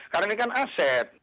karena ini kan aset